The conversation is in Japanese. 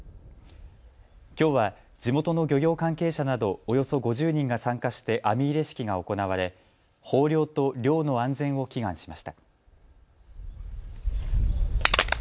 きょうは地元の漁業関係者などおよそ５０人が参加して網入れ式が行われ豊漁と漁の安全を祈願しました。